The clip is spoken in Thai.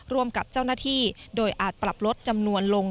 ร่วมกับเจ้าหน้าที่โดยอาจปรับลดจำนวนลง